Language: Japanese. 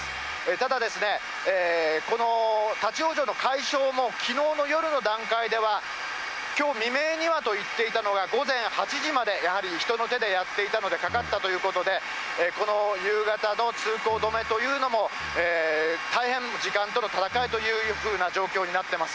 ただ、この立往生の解消もきのうの夜の段階では、きょう未明にはと言っていたのが、午前８時までやはり人の手でやっていたので、かかったということで、この夕方の通行止めというのも大変、時間との戦いというような状況になってます。